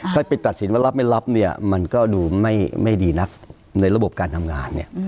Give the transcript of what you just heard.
ถ้าไปตัดสินว่ารับไม่รับเนี่ยมันก็ดูไม่ดีนักในระบบการทำงานเนี่ย